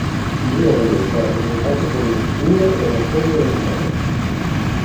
Generalmente è rappresentato con una scure e una folgore in mano.